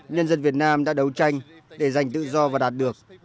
nhân dân việt nam đã đấu tranh để giành tự do và đạt được